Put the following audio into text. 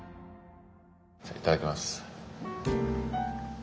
じゃあいただきます。